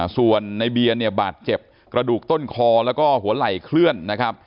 ส่วนในเบียนเนี่ยบาดเจ็บกระดูกต้นคอแล้วก็หัวไหล่เคลื่อนนะครับ